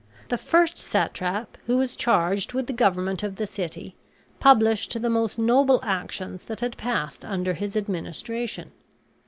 The first satrap, who was charged with the government of the city, published the most noble actions that had passed under his administration.